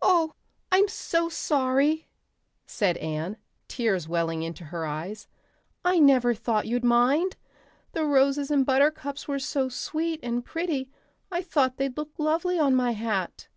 "Oh, I'm so sorry," said Anne, tears welling into her eyes. "I never thought you'd mind. The roses and buttercups were so sweet and pretty I thought they'd look lovely on my hat.